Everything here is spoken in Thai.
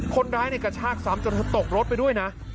คนร้ายกระชากซ้ำจนเธอตกรถไปด้วยนะ